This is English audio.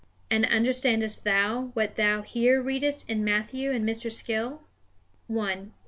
And, understandest thou what thou here readest in Matthew and Mr. Skill? 1.